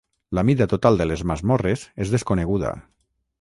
La mida total de les masmorres és desconeguda.